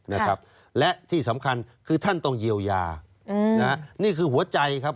นะครับและที่สำคัญคือท่านต้องเยียวยาอืมนะฮะนี่คือหัวใจครับ